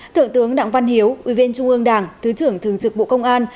thượng tướng đặng văn hiếu ủy viên trung ương đảng thứ trưởng thường trực bộ công an